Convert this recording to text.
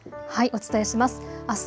お伝えします。